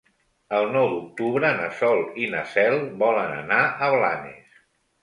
El nou d'octubre na Sol i na Cel volen anar a Blanes.